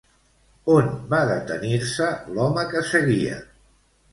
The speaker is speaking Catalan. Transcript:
On va detenir-se l'home que seguia?